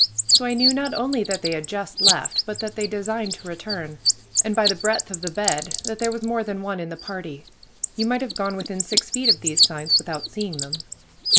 So I knew not only that they had just left, but that they designed to return, and by the breadth of the bed that there was more than one in the party. You might have gone within six feet of these signs without seeing them.